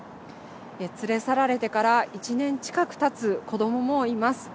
連れ去られてから１年近くたつ子どももいます。